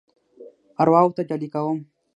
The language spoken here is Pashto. ارواوو ته ډالۍ کوم.